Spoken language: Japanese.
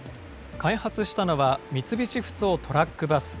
開発したのは、三菱ふそうトラック・バス。